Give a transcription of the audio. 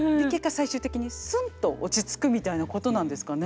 最終的にスンと落ち着くみたいなことなんですかね。